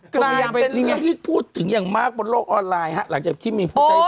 กลายเป็นเรื่องที่พูดถึงอย่างมากบนโลกออนไลน์ฮะหลังจากที่มีผู้ใช้